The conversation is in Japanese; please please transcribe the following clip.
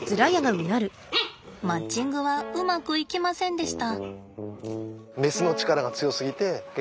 マッチングはうまくいきませんでした。